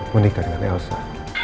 menikah dengan elsa